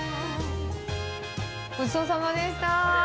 ごちそうさまでした。